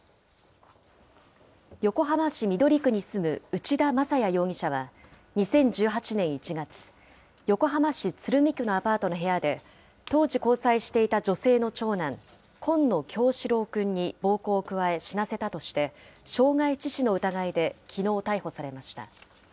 横浜市緑区に住む内田正也容疑者は、２０１８年１月、横浜市鶴見区のアパートの部屋で、当時交際していた女性の長男、紺野叶志郎くんに暴行を加え、死なせたとして、傷害致死の疑いできのう、逮捕されました。